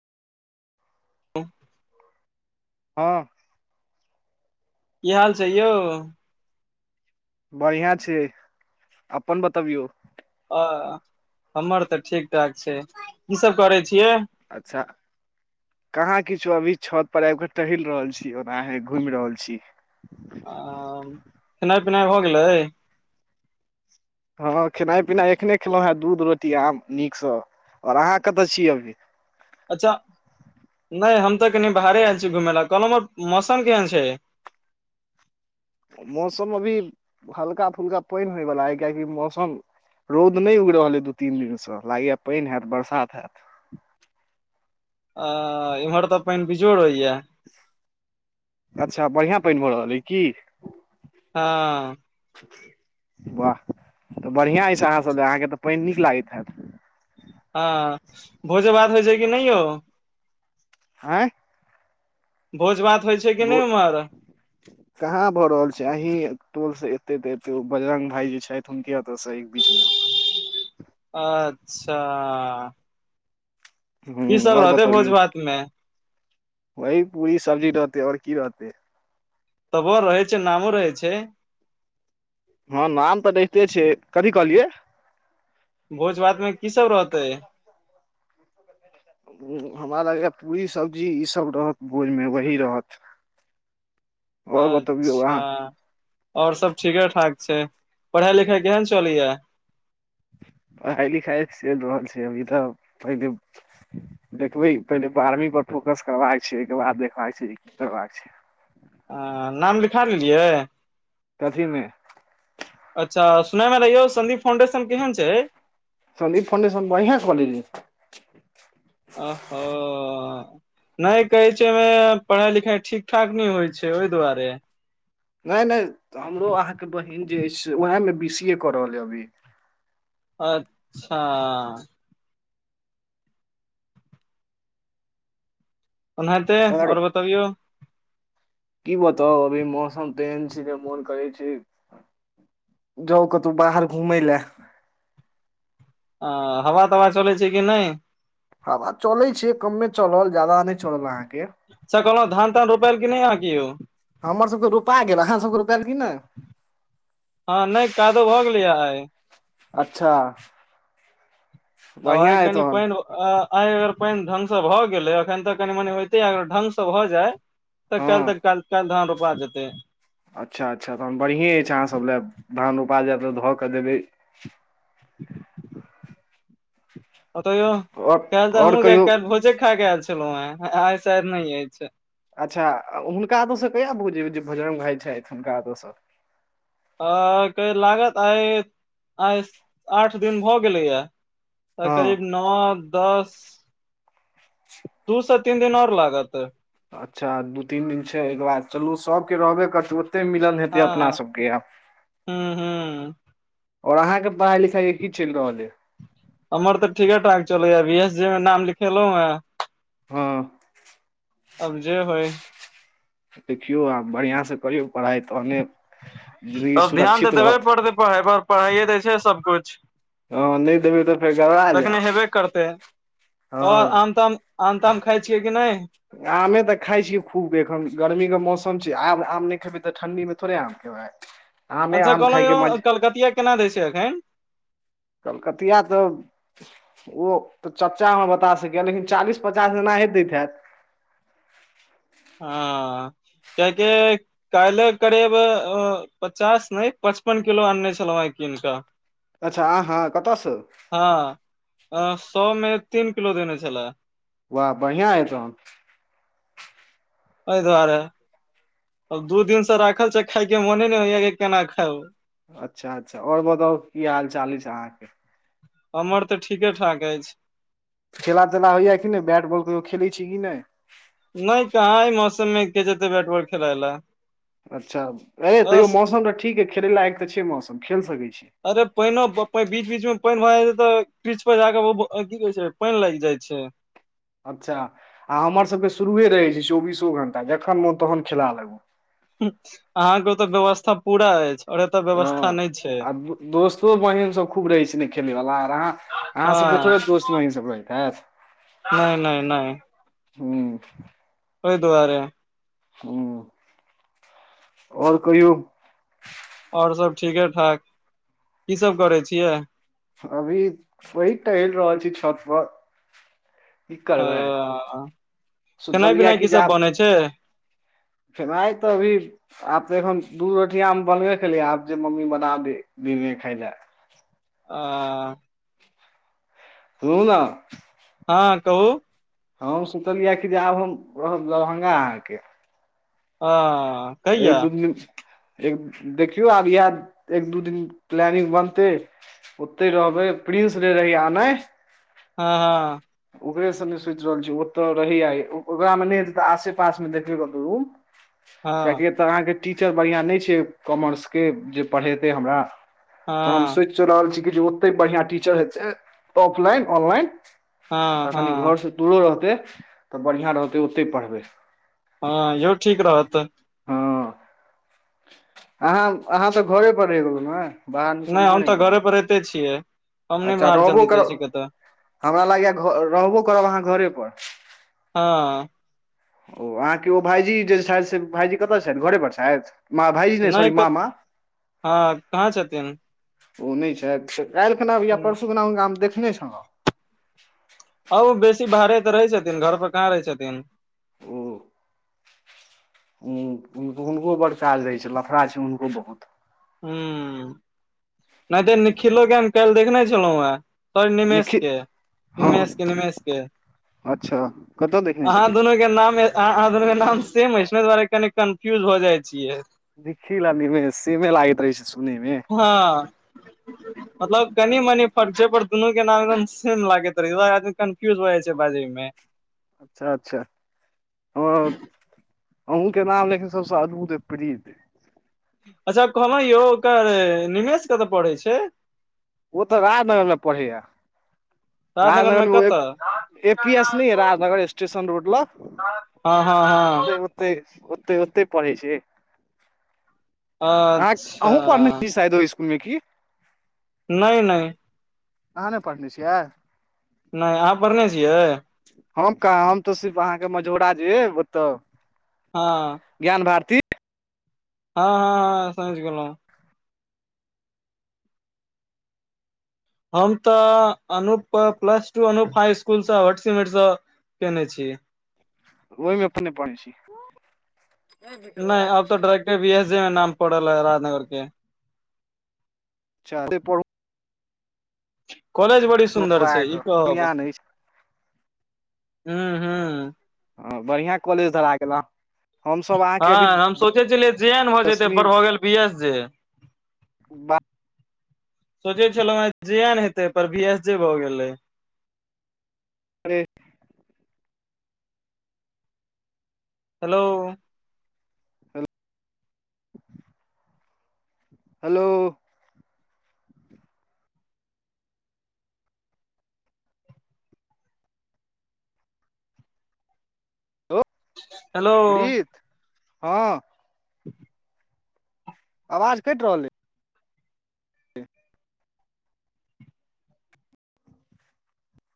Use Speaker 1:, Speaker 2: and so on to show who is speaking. Speaker 1: [inaudible]
Speaker 2: हँ
Speaker 1: की हाल छै यौ
Speaker 2: बढ़ियां छै अपन बतबियौ
Speaker 1: अं हमर तऽ ठीक ठाक छै की सब करै छियै
Speaker 2: अच्छा कहाँ किछो अभी छत पर आब कऽ टहल रहल छी और ओनाहे घुमि रहल छी [inaudible]
Speaker 1: आ खेनाइ पिनाइ भऽ गेलै
Speaker 2: हँ खेनाइ पिनाइ एखने खेलहुँ हेँ दूध रोटी आम नीकसँ और अहाँ कतऽ छीयै अभी
Speaker 1: अच्छा नहि हम तऽ कनि बाहरे आयल छी घुमय लए कहलहुँ आर मौसम केहन छै
Speaker 2: मौसम अभी हल्का फुलका पाइन होए बला किआकी मौसम रौद नहि उगि रहल अे दू तीन दिन से लागया पाइन हयत बरसात हैत
Speaker 1: आ इम्हर तऽ पइन बिजोड़ होइया
Speaker 2: अच्छा बढ़ियां पइन भऽ रहल अइ की
Speaker 1: हँ
Speaker 2: वाह तऽ बढ़िआं अछि अहाँ सब ल अहाँके तऽ पइन नीक लागैत हैत
Speaker 1: हँ भोजे भात होइ छै कि नहियौ
Speaker 2: आँय
Speaker 1: भोज भात होइ छै कि
Speaker 2: बो
Speaker 1: नइ उम्हर
Speaker 2: कहाँ भऽ रहल छै अहीं टोल से एतै तऽ एतै बजरंग भायजी जे छथि हुनके एतऽ से एक बीच मे
Speaker 1: अच्छा कि
Speaker 2: हूँ
Speaker 1: सब
Speaker 2: आओर
Speaker 1: रहतै भोज भात मे
Speaker 2: वहि पूरी सब्जी रहतै और की रहतै
Speaker 1: तबो रहै छै नामो रहै छै
Speaker 2: हँ नाम तऽ रहिते छै कथी कहलियै
Speaker 1: भोज भात मे की सब रहतै
Speaker 2: अं हमरा लगैय पूरी सब्जी ई सब रहत भोजमे वही रहत आओर बतबियौ
Speaker 1: अच्छा
Speaker 2: अहाँ
Speaker 1: और सब ठीके ठाक छै पढ़ाइ लिखाइ केहन चलैय
Speaker 2: पढ़ाइ लिखाइ चइल रहल छै अभी तऽ पहिले देखबै पहिले बारहवीं पर फोकस करबाके छै ओइके बाद देखबाक छै की करबाक छै
Speaker 1: अं नाम लिखा लेलियै
Speaker 2: कथीमे
Speaker 1: अच्छा सुनय मे रहियौ सदीप फाउंडेशन केहन छै
Speaker 2: संदीप फाउंडेशन बढ़िया से बनेने
Speaker 1: अहो नइ कहै छै ओइमे पढ़ाई लिखाई ठीक ठाक नइ होइ छै ओइ दुआरे
Speaker 2: नइ नइ हमरो अहाँके बहिन जे अछि उएहमे बी सी ए कऽ रहलअइ अभी
Speaker 1: अच्छा ओनाहिते और बतबियौ
Speaker 2: की बताउ अभी मौसम तेहन छै जे मोन करै छै जाउ कतौ बाहर घूमइ लए
Speaker 1: आ हवा तवा चलै छै कि नइ
Speaker 2: हवा चलै छै कमे चलल जादा नइ चलल अहाँके
Speaker 1: सकल धान तान रोपल की नइ अहां के यौ
Speaker 2: हमर सबके रोपा गेल अहाँ सबके रोपएल की नइ
Speaker 1: हँ नइ कादो भऽ गेलैय आइ
Speaker 2: अच्छा बन्हिया अय तहन
Speaker 1: अ आइ अगर पानि ढंग से भऽ गेलै अखन तऽ कनि मनि होइते अगर ढंग से भऽ जाय तऽ काल्ह तक
Speaker 2: हँ
Speaker 1: काइल धान रोपा जेतै
Speaker 2: अच्छा अच्छा तहन बढ़िएँ अइ अहाँसभ लए धान रोपा जायतऽ धऽ कऽ देबै
Speaker 1: [inaudible] ओत यो
Speaker 2: आओर
Speaker 1: काल्ह तऽ
Speaker 2: आओर
Speaker 1: हमहुँ
Speaker 2: कहियौ
Speaker 1: काल्हि भोजे खा के आयल छलहुँ हें आइ शायद नइ अछि
Speaker 2: अच्छा हुनका ओत से कहिया भोज ओजे बजरंग भाय छथि हुनका ओत से
Speaker 1: हं लागत आइ आइ आठ दिन भऽ गेलैया त
Speaker 2: हँ
Speaker 1: करीब नौ दस दू से तीन दिन और लागत
Speaker 2: अच्छा दू तीन दिन छै ओइके बाद चलू सबके रहबे करतै ओतै मिलन हेतै
Speaker 1: हँ
Speaker 2: अपना सबके आब
Speaker 1: हूँ हूं
Speaker 2: और अहाँ के पढ़ाई लिखाई के की चइल रहल अइ
Speaker 1: हमर तऽ ठीके ठाक चलैय अभीएस जे मे नाम लिखेलों ह
Speaker 2: हँ
Speaker 1: अब जे होइ
Speaker 2: देखियौ आब बढ़िआँ स करियौ पढ़ाइ तहने जिन्दगी
Speaker 1: अब ध्यान तऽ
Speaker 2: सुरक्षित
Speaker 1: देबे
Speaker 2: रहत
Speaker 1: पड़तै पढ़ाइ पर पढ़ाइए तऽ छै सबकिछ
Speaker 2: हँ नहि देबै तऽ फेर गड़बड़ा
Speaker 1: तखने
Speaker 2: जायत
Speaker 1: हेबे करतै अ और आम
Speaker 2: हँ
Speaker 1: तामऽ आम ताम खाइ छियै कि नइ
Speaker 2: आमे तऽ खाय छियै खूब एखन गर्मी के मौसम छै आब आम नइ खेबै तऽ ठंडी मे थोड़े आम खेबै बय
Speaker 1: अच्छा कहलहुँ यौ कलकतिया केना दै छै एखन
Speaker 2: कलकतिया तऽ ओ तऽ चच्चा हमर बता सकैया लेकिन चालीस पचास एनाही दैत हैत
Speaker 1: हँ किया कि काल्हि करीब अ पचास नहि पचपन किलो आनने छलहुँ हं कीन कऽ
Speaker 2: अच्छा आहाँ कतऽसँ
Speaker 1: हँ सौ मे तीन किलो देने छलए
Speaker 2: वाह बढ़िआ अय तहन
Speaker 1: एइ दुआरे दू दिन से राखल छै खाय के मोने ने होइया कि केना खाउ ओ
Speaker 2: अच्छा अच्छा और बताउ की हाल चाल अछि अहाँके
Speaker 1: हमर तऽ ठीके ठाक अछि
Speaker 2: खेला तेला होइया कि नइ बैट बॉल कहियो खेलै छी कि नहि
Speaker 1: नइ कहाँ ई मौसम मे के जेतै बैट बॉल खेलय लए
Speaker 2: अच्छा अ तैयो
Speaker 1: अस
Speaker 2: मौसम तऽ ठीक ऐ खेले लायक तऽ छै मौसम खेल सकैत छी
Speaker 1: अरे पानि बीच बीच मे पानि भऽ जाइछै तऽ पिच पर जाक की कहै छै पानि लागि जाय छै
Speaker 2: अच्छा आ हमर सबके शुरूए रहै छै चौबीसो घंटा जखन मोन तखन खेला लागू
Speaker 1: अहाँके ओतऽ व्यवस्था पूरा अछि और एतऽ
Speaker 2: हँ
Speaker 1: व्यवस्था नहि छै
Speaker 2: आ दोस्तो महीम सभ खूब रहै छै ने खेलैवला आर अहाँ अहाँ सबके थोड़े
Speaker 1: हँ
Speaker 2: दोस्त महींम सब रहैत हैयत
Speaker 1: नहि नहि नहि
Speaker 2: हू
Speaker 1: ओहि दुआरे
Speaker 2: ह आओर कहियौ
Speaker 1: आओर सब ठीके ठाक की सब करै छियै
Speaker 2: अभी वहि टहलि रहल छी छत पर कि
Speaker 1: अ
Speaker 2: करबै सोचलियै या की जे आब
Speaker 1: अच्छा
Speaker 2: खेनाइ तऽ अभी आब तऽ एखन दूध रोटि आम बनबे केलियै आब जे मम्मी बना दै दिन में खाय ले
Speaker 1: आ
Speaker 2: सुनु न
Speaker 1: हँ कहु
Speaker 2: हम सोचलियै या कि जे आब हम रहब दरभंगा आके
Speaker 1: आ
Speaker 2: एक दू दिन एक देखियौ आब इएह एक दू दिन प्लानिंग बनतै ओते रहबै प्रिंस जे रहैया नै
Speaker 1: हँ हँ
Speaker 2: ओकरे संगे सोचि रहल छी ओतऽ रहियै ओकरा मे नहि हेतै तऽ आसे पास मे देखबे कत्तौ रूम किया
Speaker 1: हँ
Speaker 2: कि एतऽ अहाँके टीचर बढ़ियां नहि छै कॉमर्सके जे पढ़ेतै हमरा तऽ हम
Speaker 1: हँ
Speaker 2: सोचि रहल छी कि जे ओते बढ़ियां टीचर हेतै ऑफलाइन ऑनलाइन
Speaker 1: हँ
Speaker 2: आ कनि
Speaker 1: हँ
Speaker 2: घरसँ दूरो रहतै तऽ बढ़ियां रहतै ओत्तै पढ़बै
Speaker 1: हँ ईहो ठीक रहत
Speaker 2: हँ अहाँ अहाँ तऽ घरे पर रहि रहु न बाहर निकलबे नहि करू
Speaker 1: पढ़ैते छियै हम नहि
Speaker 2: अच्छा
Speaker 1: बाहर
Speaker 2: रहबो
Speaker 1: जल्दी जाइ
Speaker 2: करब
Speaker 1: छी कतऽ
Speaker 2: हमरा लागैया घ रहबो करब अहाँ घरेपर
Speaker 1: हँ
Speaker 2: ओ अहाँके ओ भायजी जे छथि से भाईजी कतऽ छथि घरे पर छथि मा भाइजी ने सॉरी
Speaker 1: नहि क
Speaker 2: मामा
Speaker 1: हँ कहाँ छथिन
Speaker 2: ओ नहि छथि काल्हि खुना या
Speaker 1: ह
Speaker 2: परसू खुना हुनका हम देखने छलौं
Speaker 1: ह ओ बेसी बाहरे तऽ रहै छथिन घर पर कहाँ रहै छथिन
Speaker 2: ओ हुनको बड़ काज रहै छै लफड़ा छै हुनको बहुत
Speaker 1: हू नहि ते निखिलो के हम काल्हि देखने छलू हें स निमेष के
Speaker 2: निखित हँ
Speaker 1: निमेष के निमेष के
Speaker 2: अच्छा कतऽ देखने
Speaker 1: अहाँ
Speaker 2: छलियै
Speaker 1: दुनू के एना मे आहा दुनु के नाम सेम अछि छ न ओही दुआरे कनी कन्फ्यूज हो जाय छियै
Speaker 2: निखिल निमेस सेमे लागैत रहै छै सुनैमे
Speaker 1: हँ मतलब कनि मनी फर्क छै पर दुनू के नाम सेम लागैत रह आदमी कन्फ्यूज हो जाय छै बाजे मे
Speaker 2: अच्छा अच्छा हँ अहूँ के नाम लेखिन सबस अद्भुत प्रीत
Speaker 1: अच्छा कहलौ यौ ओकर निमेष कतऽ पड़ै छै
Speaker 2: ओ तऽ राजनगर में पढ़य
Speaker 1: राजनगर मे
Speaker 2: राजनगरमे
Speaker 1: कतऽ
Speaker 2: ए पी एस नइ राजनगर स्टेशन रोड ल
Speaker 1: हँ हँ हँ
Speaker 2: तय ओते ओते पढ़ै छै अ
Speaker 1: अच्छा
Speaker 2: अहूँ पढ़ने छी शायद ओहि इसकुल मे की
Speaker 1: नई नई
Speaker 2: अहाँ नई पढ़ने छियै
Speaker 1: नई अहाँ पढ़ने छियै
Speaker 2: हम कहा हम तऽ सिर्फ अहाँके मझौरा जेे अतौ
Speaker 1: हँ
Speaker 2: ज्ञान भारती
Speaker 1: हँ हँ हँ समझ गेलौ हम तऽ Anup plus two Anup high school से [unintelligible] सिमेट से केने छि
Speaker 2: आइमें [unintelligible]
Speaker 1: वि एस जे नाम पारल य राजनगर के
Speaker 2: चा
Speaker 1: कॉलेज बड़ी सुन्दर छै ई तब
Speaker 2: बढ़िया नहि छै
Speaker 1: हु हु
Speaker 2: ह बढ़िया कॉलेज धरा गेल आ
Speaker 1: हँ हम सोचय छलियै जे एन भऽ जेतै
Speaker 2: दसवीं
Speaker 1: बड़ भ गेल बी एस जे
Speaker 2: बाप
Speaker 1: सोचे छलहुँ हें जे एन हेते पर बी एस जे भऽ गेलै
Speaker 2: अरे
Speaker 1: हेलो
Speaker 2: हेल हेलो लो
Speaker 1: हेलो
Speaker 2: प्रीत हँ
Speaker 1: [inaudible]
Speaker 2: आवाज कटि रहलै